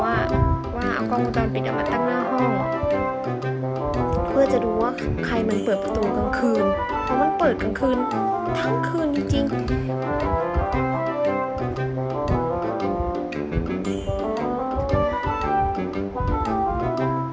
ว่าว่าเอากล้องบิดออกมาตั้งหน้าห้องเพื่อจะดูว่า